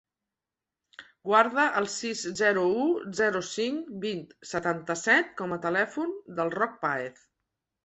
Guarda el sis, zero, u, zero, cinc, vint, setanta-set com a telèfon del Roc Paez.